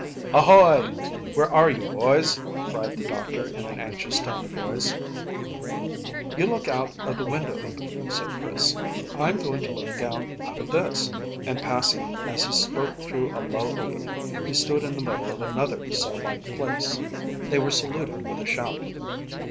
"Ahoy! Where are you, boys?" cried the doctor, in an anxious tone of voice. "You look out of the window opening," said Chris; "I'm going to look down out of this," and passing as he spoke through a low opening, he stood in the middle of another cell like place. They were saluted with a shout.